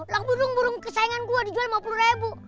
lang burung burung kesayangan gue dijual lima puluh ribu